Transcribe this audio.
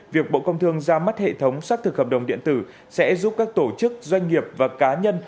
việc bộ công thương ra mắt hệ thống xác thực hợp đồng điện tử sẽ giúp các tổ chức doanh nghiệp và cá nhân